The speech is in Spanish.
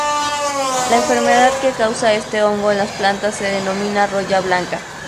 La enfermedad que causa este hongo en las plantas se denomina "roya blanca"